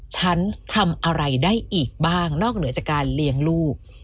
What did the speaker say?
ฉันทำอะไรได้อีกบ้างนอกเหนือจากการเลี้ยงลูก